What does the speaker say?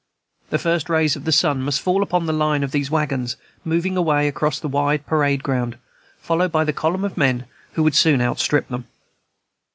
The first rays of the sun must fall upon the line of these wagons, moving away across the wide parade ground, followed by the column of men, who would soon outstrip them.